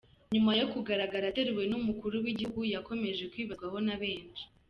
Nyuma yo kugaragara ateruwe n’Umukuru w’Igihugu, yakomeje kwibazwaho na benshi.